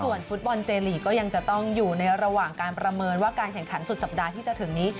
ส่วนฟุตบอลเจลีกก็ยังจะต้องอยู่ในระหว่างการประเมินว่าการแข่งขันสุดสัปดาห์ที่จะถึงนี้